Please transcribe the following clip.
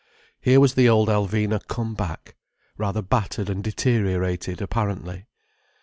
Here was the old Alvina come back, rather battered and deteriorated, apparently.